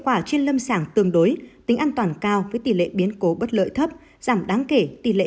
quả trên lâm sàng tương đối tính an toàn cao với tỷ lệ biến cố bất lợi thấp giảm đáng kể tỷ lệ